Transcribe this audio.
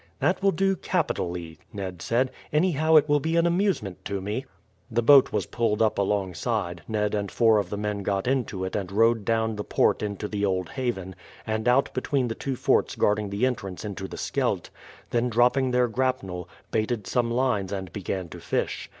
"That will do capitally," Ned said. "Anyhow it will be an amusement to me." The boat was pulled up alongside, Ned and four of the men got into it and rowed down the port into the Old Haven, and out between the two forts guarding the entrance into the Scheldt, then dropping their grapnel, baited some lines and began to fish.